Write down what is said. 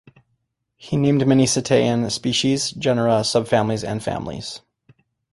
He named many cetacean species, genera, subfamilies, and families.